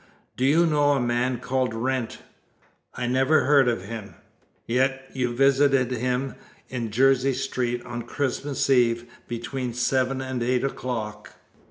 "Do you know a man called Wrent?" "I never heard of him!" "Yet you visited him in Jersey Street on Christmas Eve, between seven and eight o'clock."